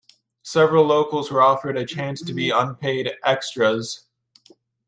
Several locals were offered a chance to be unpaid "extras".